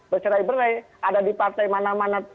bercerai berai ada di partai mana mana